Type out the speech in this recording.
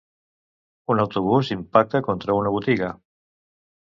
Un autobús impacta contra una botiga.